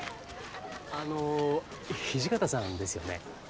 あの土方さんですよね？